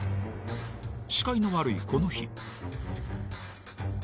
視界の悪いこの日。